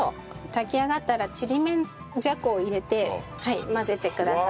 炊き上がったらちりめんじゃこを入れて混ぜてください。